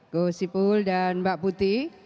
kusipul dan mbak putih